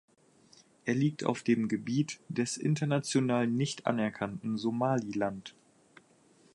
Er liegt auf dem Gebiet des international nicht anerkannten Somaliland.